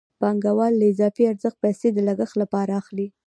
پانګوال له اضافي ارزښت پیسې د لګښت لپاره اخلي